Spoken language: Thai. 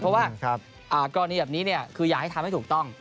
เพราะว่ากรณีแบบนี้คืออยากให้ทำให้ถูกต้อง